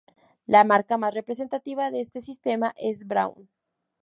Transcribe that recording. La marca más representativa de este sistema es Braun.